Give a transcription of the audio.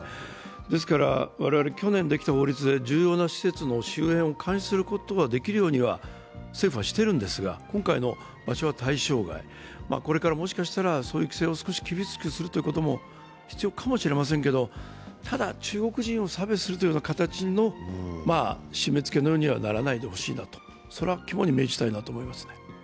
ですから我々、去年できた法律で重要な施設の周辺を監視することはできるようには政府はしてるんですが今回の場所は対象外、これからもしかしたらそういう規制を少し厳しくすることも必要かもしれませんけど、ただ中国人を差別するような形の締め付けのような形にはならないでほしいなと、それは肝に銘じたいなと思いますね。